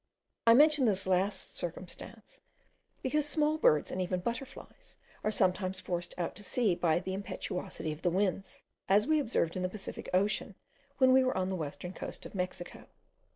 I mention this last circumstance, because small birds and even butterflies, are sometimes forced out to sea by the impetuosity of the winds, as we observed in the Pacific ocean, when we were on the western coast of Mexico.